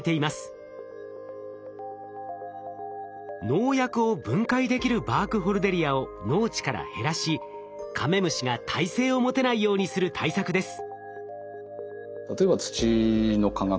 農薬を分解できるバークホルデリアを農地から減らしカメムシが耐性を持てないようにする対策です。